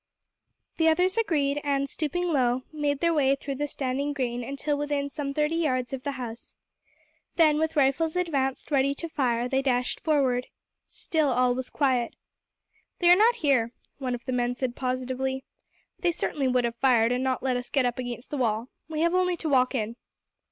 The others agreed, and, stooping low, made their way through the standing grain until within some thirty yards of the house. Then with rifles advanced ready to fire, they dashed forward. Still all was quiet. "They are not here," one of the men said positively. "They certainly would have fired, and not let us get up against the wall. We have only to walk in."